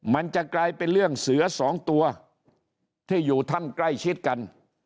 มันจะกลายเป็นเรื่องเสือสองตัวที่อยู่ถ้ำใกล้ชิดกัน